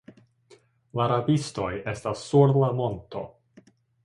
La rabistoj estas sur la monto.